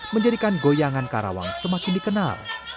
menjadikan goyangan karawang semakin dikenal